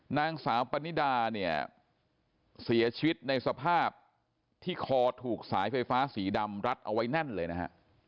นางสาวปนิดาเนี่ยเสียชีวิตในสภาพที่คอถูกสายไฟฟ้าสีดำรัดเอาไว้แน่นเลยนะฮะ